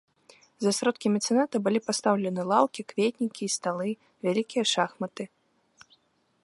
За сродкі мецэната былі пастаўлены лаўкі, кветнікі і сталы, вялікія шахматы.